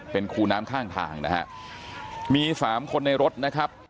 เป็นคูน้ำข้างทางนะฮะมีสามคนในรถนะครับ